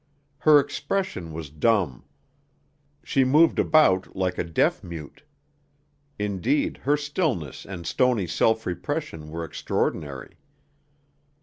Her expression was dumb. She moved about like a deaf mute. Indeed, her stillness and stony self repression were extraordinary.